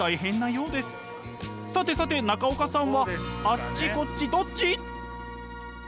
さてさて中岡さんはあっちこっちどっち？